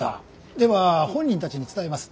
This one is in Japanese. では本人たちに伝えます。